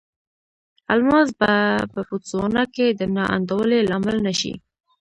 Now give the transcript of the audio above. الماس به په بوتسوانا کې د نا انډولۍ لامل نه شي.